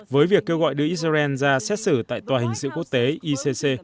với việc kêu gọi đưa israel ra xét xử tại tòa hình sự quốc tế icc